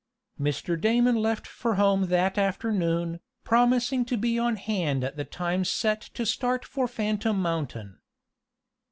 Mr. Damon left for home that afternoon, promising to be on hand at the time set to start for Phantom Mountain.